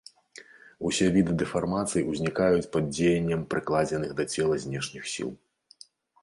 Усе віды дэфармацый узнікаюць пад дзеяннем прыкладзеных да цела знешніх сіл.